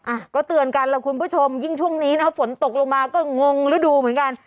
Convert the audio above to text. อ่ะก็เตือนกันแล้วคุณผู้ชมยิ่งช่วงนี้นะฝนตกลงมาก็งงฤดูเหมือนกัน